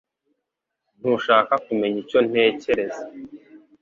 Ntushaka kumenya icyo ntekereza